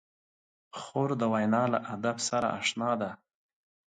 خور د وینا له ادب سره اشنا ده.